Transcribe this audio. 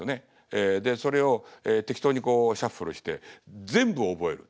えでそれを適当にこうシャッフルして全部覚える。